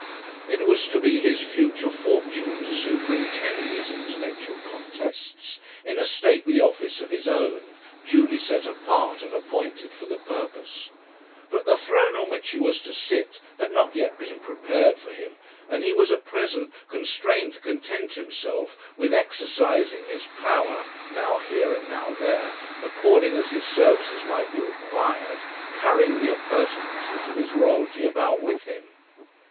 It was to be his future fortune to superintend these intellectual contests, in a stately office of his own, duly set apart and appointed for the purpose. But the throne on which he was to sit had not yet been prepared for him, and he was at present constrained to content himself with exercising his power, now here and now there, according as his services might be required, carrying the appurtenances of his royalty about with him.